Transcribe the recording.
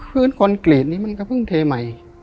ขึ้นคอนกรีตนี้มันก็เพิ่งเทใหม่